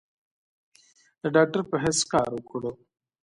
د ډاکټر پۀ حېث کار اوکړو ۔